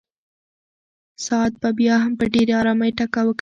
ساعت به بیا هم په ډېرې ارامۍ ټکا کوي.